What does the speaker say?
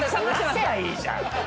出しゃいいじゃん！